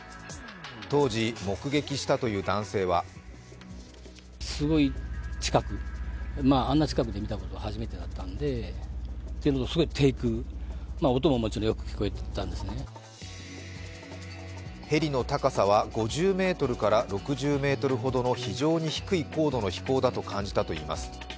当時、目撃したという男性はヘリの高さは５０ｍから６０ｍほどの非常に低い高度の飛行だと感じたといいます。